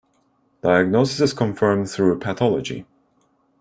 Diagnosis is confirmed through pathology.